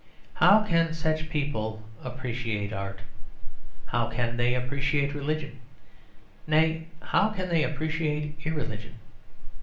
How can such people appreciate art; how can they appreciate religion nay, how can they appreciate irreligion?